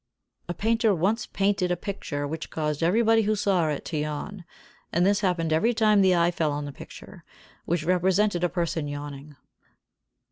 A painter once painted a picture which caused everybody who saw it to yawn, and this happened every time the eye fell on the picture, which represented a person yawning.